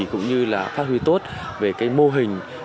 cũng như là phát huy tốt về cái mô hình